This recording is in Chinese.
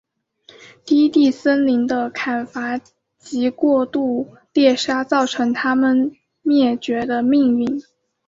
低地森林的砍伐及过度猎杀造成它们灭绝的命运。